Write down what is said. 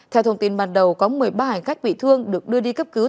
theo thông tin ban đầu có một mươi ba hành khách bị thương được đưa đi cấp cứu